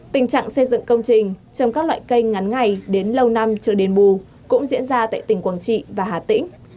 tình trạng xây dựng công trình trong các loại cây ngắn ngày đến lâu năm trở đến bù cũng diễn ra tại tỉnh quảng trị và hà tĩnh